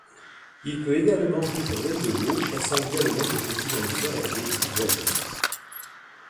Il peut également vivre loin de l'eau chassant également de petits mammifères et oiseaux.